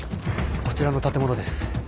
こちらの建物です。